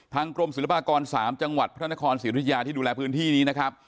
กรมศิลปากร๓จังหวัดพระนครศิริยาที่ดูแลพื้นที่นี้นะครับ